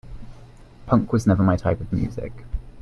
Punk was never my type of music.